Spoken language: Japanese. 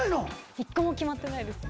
一個も決まってないです。